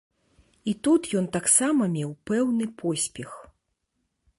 І тут ён таксама меў пэўны поспех.